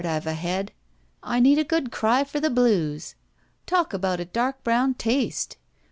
I've a head!" "I need a good cry for the blues!" "Talk about a dark brown taste!"